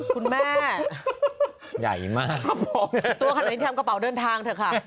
คุณแม่ตัวขนาดนี้ทำกระเป๋าเดินทางเถอะค่ะ